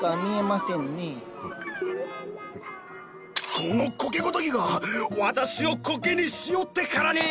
この苔ごときが私をコケにしおってからに！